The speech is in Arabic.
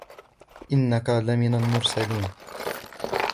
إِنَّكَ لَمِنَ الْمُرْسَلِينَ